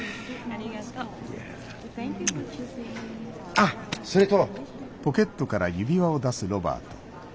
あっそれと。